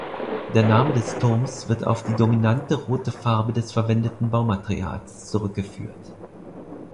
Der Name des Turms wird auf die dominante rote Farbe des verwendeten Baumaterials zurückgeführt.